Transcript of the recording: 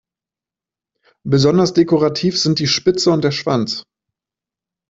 Besonders dekorativ sind die Spitze und der Schwanz.